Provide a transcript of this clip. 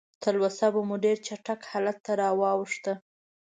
تلوسه به مو ډېر چټک حالت ته واوښته.